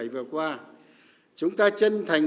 vừa qua chúng ta chân thành